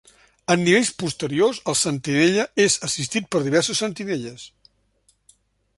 En nivells posteriors, el Sentinella és assistit per diversos "Sentinelles".